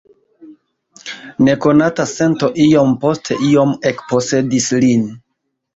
Nekonata sento iom post iom ekposedis lin.